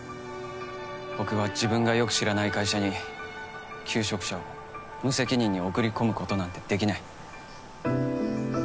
僕は自分がよく知らない会社に求職者を無責任に送り込むことなんてできない。